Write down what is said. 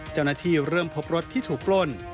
เจ้าหน้าที่เริ่มพบรถที่ถูกปล้น